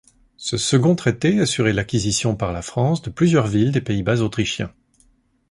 Ce second traité assurait l'acquisition par la France de plusieurs villes des Pays-Bas autrichiens.